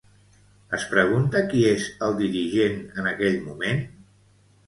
Es pregunta qui és el dirigent en aquell moment?